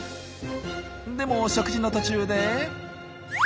でも食事の途中で。